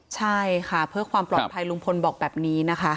ใช่ค่ะเพื่อความปลอดภัยลุงพลบอกแบบนี้นะคะ